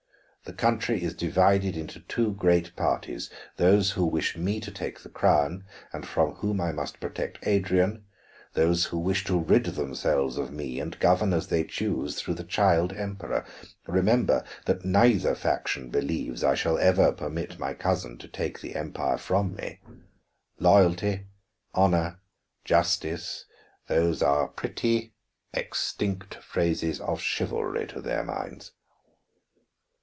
The country is divided into two great parties: those who wish me to take the crown, and from whom I must protect Adrian; those who wish to rid themselves of me and govern as they choose through the child emperor. Remember that neither faction believes I shall ever permit my cousin to take the Empire from me. Loyalty, honor, justice, those are pretty, extinct phrases of chivalry to their minds."